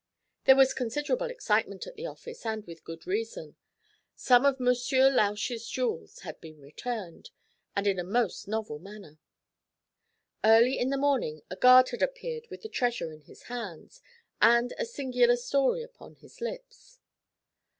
There was considerable excitement at the office, and with good reason. Some of Monsieur Lausch's jewels had been returned, and in a most novel manner. Early in the morning a guard had appeared with the treasure in his hand, and a singular story upon his lips.